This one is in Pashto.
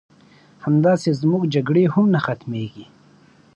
همداسې زمونږ جګړې هم نه ختميږي